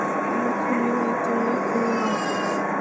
আমি খুনী নই, তুমিও খুনী নও।